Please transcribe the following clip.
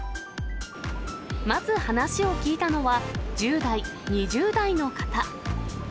まず話を聞いたのは、１０代、２０代の方。